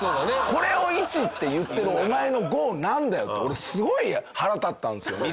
これを１って言ってるお前の５なんだよ！って俺すごい腹立ったんですよね。